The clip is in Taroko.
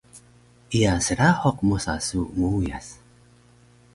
Iya srahuq mosa su muuyas